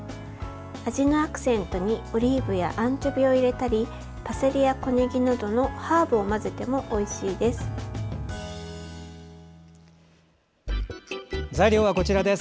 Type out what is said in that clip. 味のアクセントにオリーブやアンチョビを入れたりパセリや小ねぎなどのハーブを混ぜても材料は、こちらです。